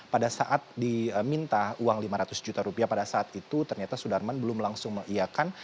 pada saat diminta uang lima ratus juta rupiah pada saat itu ternyata sudarman belum langsung mengiakan